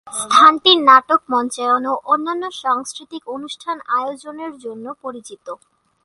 স্থানটি নাটক মঞ্চায়ন ও অন্যান্য সাংস্কৃতিক অনুষ্ঠান আয়োজনের জন্য পরিচিত।